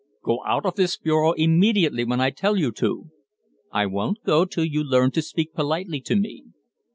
"Go out of this bureau immediately when I tell you to." "I won't go till you learn to speak politely to me."